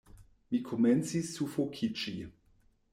Mi komencis sufokiĝi.